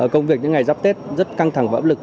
công việc những ngày dắp tết rất căng thẳng và ấp lực